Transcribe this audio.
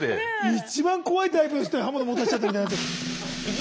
一番怖いタイプの人に刃物持たせちゃったみたいになっちゃった。